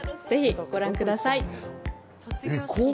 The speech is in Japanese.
ぜひご覧ください。